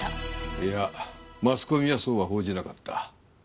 いやマスコミはそうは報じなかった。